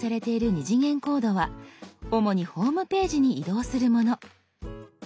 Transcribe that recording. ２次元コードは主にホームページに移動するもの。